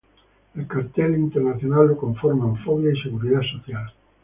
El cartel internacional lo conforman Fobia y Seguridad Social.